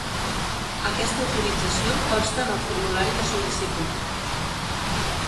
Aquesta autorització consta en el formulari de sol·licitud.